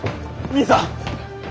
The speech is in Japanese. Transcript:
兄さん！